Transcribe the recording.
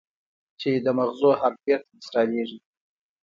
چې د مزغو هارډوئېر ته انسټاليږي